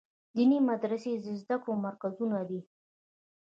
دیني مدرسې د زده کړو مرکزونه دي.